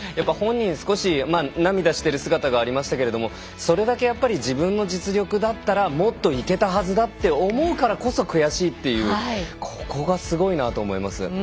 本人少し涙している姿がありましたがそれだけ自分の実力だったらもっといけたはずだと思うからこそ悔しいっていうここがすごいなと思います。